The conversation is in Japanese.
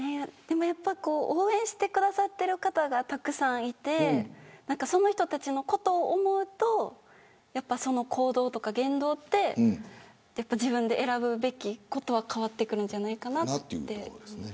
応援してくださってる方がたくさんいてその人たちのことを思うと行動とか言動って自分で選ぶべきことは変わってくるんじゃないかなと思います。